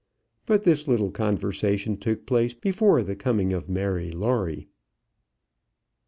But this little conversation took place before the coming of Mary Lawrie.